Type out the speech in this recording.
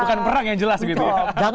bukan perang yang jelas gitu